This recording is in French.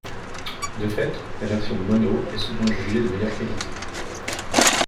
De fait, la version mono est souvent jugée de meilleure qualité.